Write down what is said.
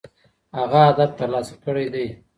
هغه هدف ترلاسه کړی دی.